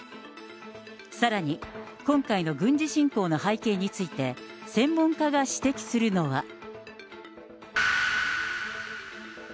さらに、今回の軍事侵攻の背景について、専門家が指摘するのは。